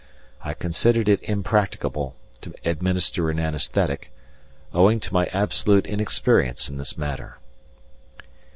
I considered it impracticable to administer an anaesthetic, owing to my absolute inexperience in this matter.